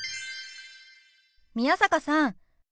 宮坂さん